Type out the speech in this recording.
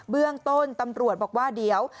เบื้องต้นตำรวจบอกว่าเดี๋ยว